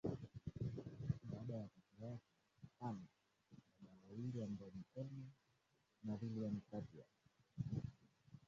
Baada ya kaka yake ana dada wawili ambao ni Elma na Liliana Cátia